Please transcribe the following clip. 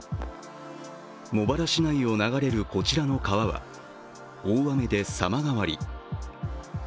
茂原市内を流れるこちらの川は大雨で様変わり。